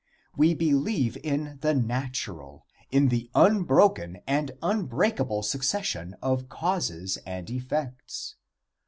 We believe in the natural, in the unbroken and unbreakable succession of causes and effects.